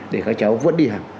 để các cháu vẫn đi học